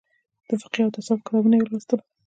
د فقهي او تصوف کتابونه یې ولوستل.